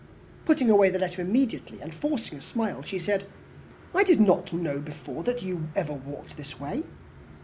Putting away the letter immediately, and forcing a smile, she said, "I did not know before that you ever walked this way."